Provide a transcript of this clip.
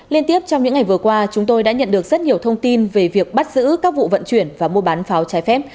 liên tiếp trong những ngày vừa qua chúng tôi đã nhận được rất nhiều thông tin về việc bắt giữ các vụ vận chuyển và mua bán pháo trái phép